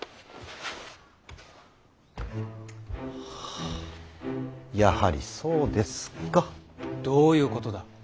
はあやはりそうですか。どういうことだ。